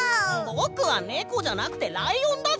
ぼくはネコじゃなくてライオンだぞ！